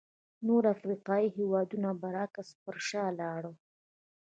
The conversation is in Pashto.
نور افریقایي هېوادونه برعکس پر شا لاړل.